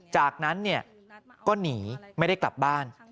จากนั้นก็หนีไม่ได้กลับบ้าน